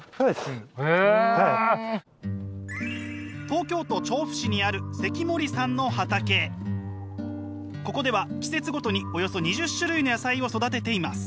東京都調布市にあるここでは季節ごとにおよそ２０種類の野菜を育てています。